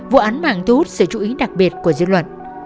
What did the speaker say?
vụ án mạng thu hút sự chú ý đặc biệt của dư luận